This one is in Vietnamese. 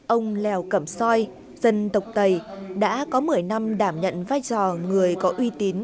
ông lèo cẩm soi dân tộc tày đã có một mươi năm đảm nhận vai trò người có uy tín